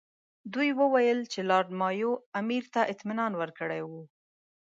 دوی وویل چې لارډ مایو امیر ته اطمینان ورکړی وو.